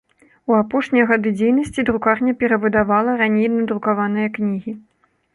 У апошнія гады дзейнасці друкарня перавыдавала раней надрукаваныя кнігі.